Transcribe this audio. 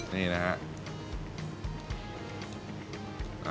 นี่นะครับ